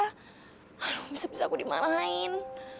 aduh bisa bisa aku dimarahin